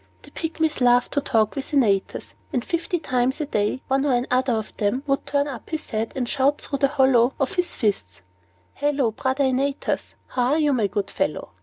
The Pygmies loved to talk with Antaeus; and fifty times a day, one or another of them would turn up his head, and shout through the hollow of his fists, "Halloo, brother Antaeus! How are you, my good fellow?"